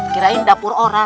kirain dapur orang